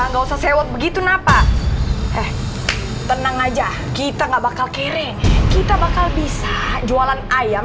nggak usah sewak begitu nah pak eh tenang aja kita nggak bakal kere kita bakal bisa jualan ayam